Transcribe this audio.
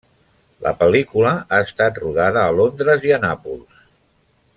La pel·lícula ha estat rodada a Londres i a Nàpols.